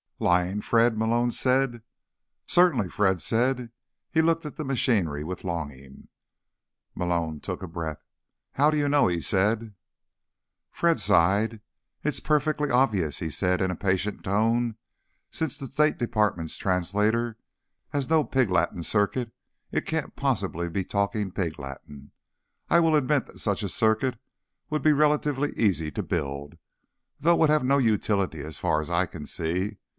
"Lying, Fred?" Malone said. "Certainly," Fred said. He looked at the machinery with longing. Malone took a breath. "How do you know?" he said. Fred sighed. "It's perfectly obvious," he said in a patient tone. "Since the State Department translator has no pig Latin circuit, it can't possibly be talking pig Latin. I will admit that such a circuit would be relatively easy to build, though it would have no utility as far as I can see.